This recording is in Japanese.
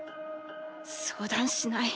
相談しない。